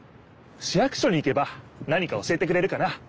市役所に行けば何か教えてくれるかな？